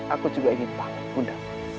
aku juga ingin pakai bunda